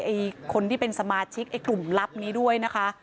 คนที่เป็นสมาชิกไอ้กลุ่มลับนี้ด้วยนะคะ